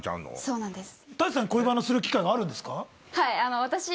そうなんです。